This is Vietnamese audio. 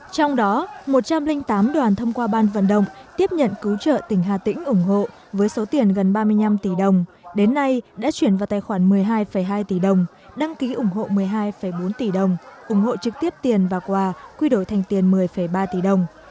trong đó một trăm linh tám đoàn thông qua ban vận động tiếp nhận cứu trợ tỉnh hà tĩnh ủng hộ với số tiền gần ba mươi năm tỷ đồng đến nay đã chuyển vào tài khoản một mươi hai hai tỷ đồng đăng ký ủng hộ một mươi hai bốn tỷ đồng ủng hộ trực tiếp tiền và quà quy đổi thành tiền một mươi ba tỷ đồng